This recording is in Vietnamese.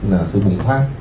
là sự bùng phát